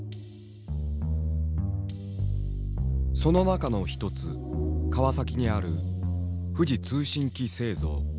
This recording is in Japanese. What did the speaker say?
その中の一つ川崎にある富士通信機製造。